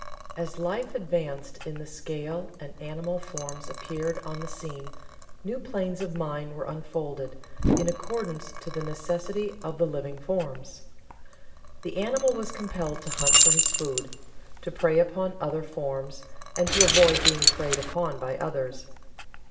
As Life advanced in the scale and animal forms appeared on the scene new planes of mind were unfolded, in accordance to the necessity of the living forms. The animal was compelled to hunt for his food to prey upon other forms, and to avoid being preyed upon by others.